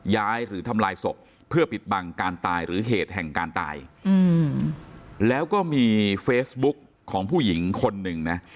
หรือทำลายศพเพื่อปิดบังการตายหรือเหตุแห่งการตายอืมแล้วก็มีเฟซบุ๊กของผู้หญิงคนหนึ่งนะ